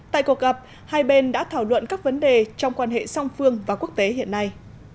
tại cuộc gặp hai bên đã thảo luận các vấn đề trong quan hệ song phương và quốc tế hiện nay